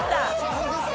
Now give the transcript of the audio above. ホントですか？